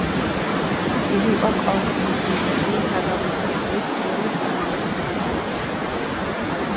იგი იყო კომპიუტერული საგამომცემლო სისტემების პირველი მწარმოებელი საქართველოში.